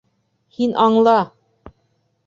Һин аңла!